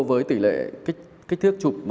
với kích thước chụp